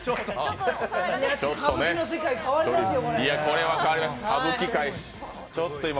歌舞伎の世界変わりますよ。